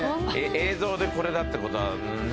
映像でこれだって事はね